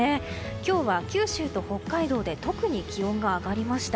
今日は九州と北海道で特に気温が上がりました。